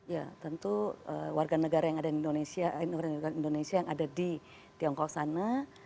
ya tentu warga negara yang ada di indonesia yang ada di tiongkok sana